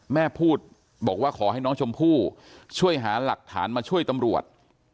แม่พูดบอกว่าขอให้น้องชมพู่ช่วยหาหลักฐานมาช่วยตำรวจ